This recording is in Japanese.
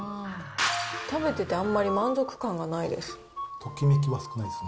食べててあんまり満足感がないです。